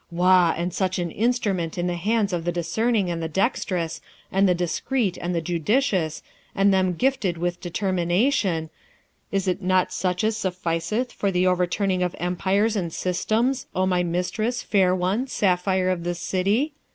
Wah! and such an instrument in the hands of the discerning and the dexterous, and the discreet and the judicious, and them gifted with determination, is't not such as sufficeth for the overturning of empires and systems, O my mistress, fair one, sapphire of this city?